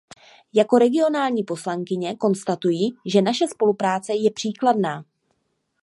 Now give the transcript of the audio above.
Jako regionální poslankyně konstatuji, že naše spolupráce je příkladná.